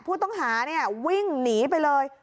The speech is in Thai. ผู้ต้องหาเนี่ยวิ่งหนีไปเลย